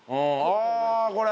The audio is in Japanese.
ああこれ！